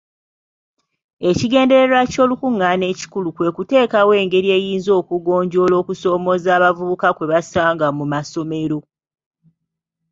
Ekigendererwa ky'olukungaana ekikulu kwe kuteekawo engeri eziyinza okugonjoola okusoomooza abavubuka kwe basanga mu masomero.